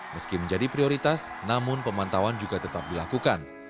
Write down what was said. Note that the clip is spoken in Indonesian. meski menjadi prioritas namun pemantauan juga tetap dilakukan